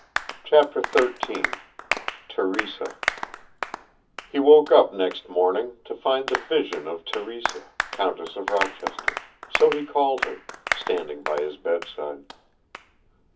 CHAPTER XIII TERESA He woke up next morning, to find the vision of Teresa, Countess of Rochester so he called her standing by his bedside.